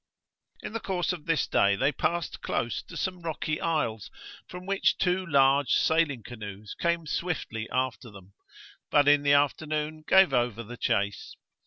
In the course of this day they passed close to some rocky isles, from which two large sailing canoes came swiftly after them, but in the afternoon gave over the chase.